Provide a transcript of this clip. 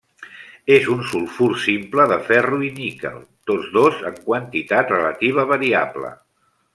És un sulfur simple de ferro i níquel, tots dos en quantitat relativa variable.